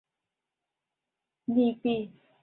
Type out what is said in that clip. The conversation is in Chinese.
逸悦也困在地牢中而溺毙。